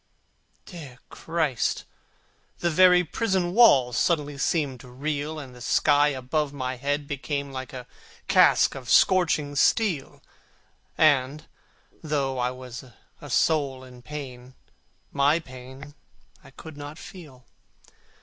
Dear Christ! the very prison walls Suddenly seemed to reel, And the sky above my head became Like a casque of scorching steel; And, though I was a soul in pain, My pain I could not feel.